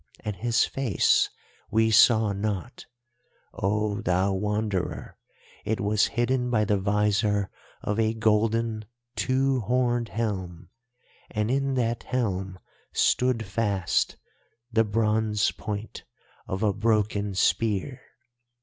And his face we saw not, O thou Wanderer, it was hidden by the visor of a golden two horned helm, and in that helm stood fast the bronze point of a broken spear!